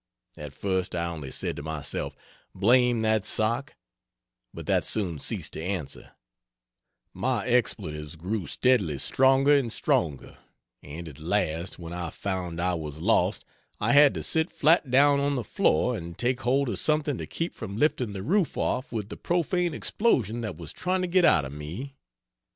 At first I only said to myself, "Blame that sock," but that soon ceased to answer; my expletives grew steadily stronger and stronger, and at last, when I found I was lost, I had to sit flat down on the floor and take hold of something to keep from lifting the roof off with the profane explosion that was trying to get out of me.